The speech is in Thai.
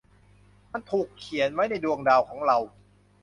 มันถูกเขียนไว้ในดวงดาวของเรา